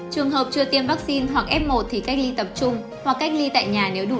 trường hợp chưa tiêm vaccine hoặc f một thì cách ly tập trung hoặc cách ly tại nhà